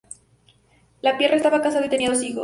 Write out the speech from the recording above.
LaPierre estaba casado, y tenía dos hijos.